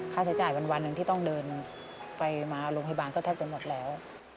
ค่าใช้จ่ายวันหนึ่งที่ต้องเดินไปมาโรงพยาบาลก็แทบจะหมดแล้ว